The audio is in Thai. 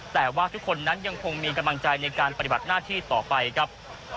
แต่ว่าทุกคนนั้นยังคงมีกำลังใจในการปฏิบัติหน้าที่ต่อไปครับ